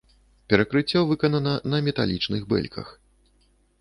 Перакрыццё выканана на металічных бэльках.